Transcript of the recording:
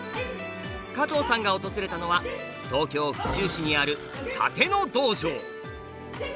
加藤さんが訪れたのは東京府中市にある殺陣の道場。